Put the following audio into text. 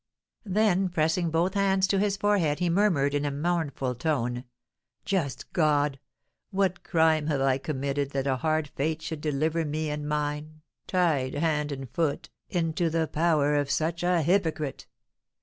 Then pressing both hands to his forehead, he murmured, in a mournful tone: "Just God! what crime have I committed that a hard fate should deliver me and mine, tied hand and foot, into the power of such a hypocrite?